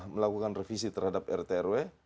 melakukan revisi terhadap rtrw